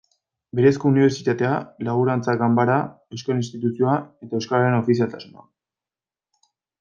Berezko unibertsitatea, Laborantza Ganbara, Euskal Instituzioa eta euskararen ofizialtasuna.